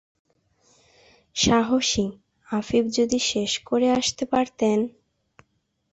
‘সাহসী’ আফিফ যদি শেষ করে আসতে পারতেন!